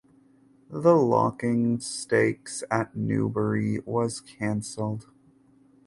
The Lockinge Stakes at Newbury was cancelled.